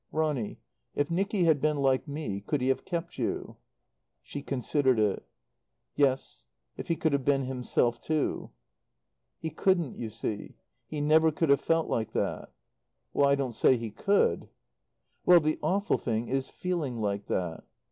"Ronny if Nicky had been like me could he have kept you?" She considered it. "Yes if he could have been himself too." "He couldn't, you see. He never could have felt like that." "I don't say He could." "Well the awful thing is 'feeling like that.'"